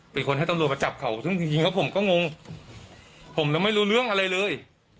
เป็นคนให้ตำรวจมาจับเขาซึ่งจริงแล้วผมก็งงผมยังไม่รู้เรื่องอะไรเลย